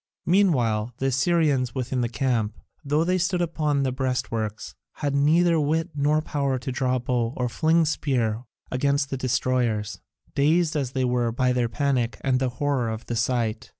Meanwhile the Assyrians within the camp, though they stood upon the breastworks, had neither wit nor power to draw bow or fling spear against the destroyers, dazed as they were by their panic and the horror of the sight.